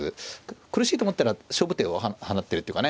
苦しいと思ったら勝負手を放ってるっていうかね